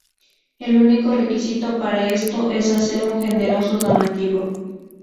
El único requisito para esto es hacer un generoso donativo.